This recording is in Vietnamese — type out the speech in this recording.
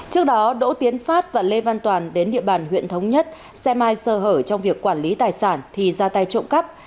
trước đó đỗ tiến phát và lê văn toàn đến địa bàn huyện thống nhất xe mai sơ hở trong việc quản lý tài sản thì ra tay trộm cắp